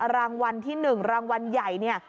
รางวัลที่๑รางวัลใหญ่เนี่ย